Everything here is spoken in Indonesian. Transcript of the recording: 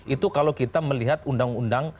itu kalau kita melihat undang undang